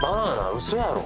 ウソやろ？